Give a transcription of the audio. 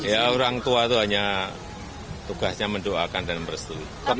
ya orang tua itu hanya tugasnya mendoakan dan merestui